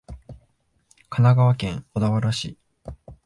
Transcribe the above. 神奈川県小田原市